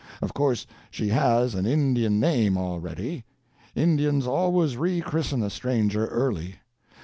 Of course she has an Indian name already; Indians always rechristen a stranger early.